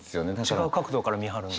違う角度から見はるんだ。